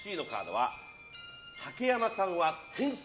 竹山さんは天才！